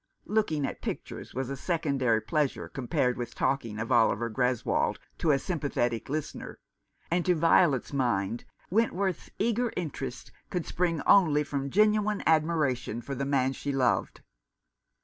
Looking at pictures was a secondary pleasure compared with talking of Oliver Greswold to a sympathetic listener ; and to Violet's mind Wentworth's eager interest could spring only from genuine admira tion for the man she loved.